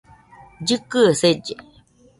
Llɨkɨe selle